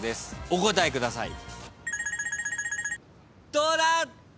お答えください。